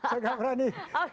saya gak berani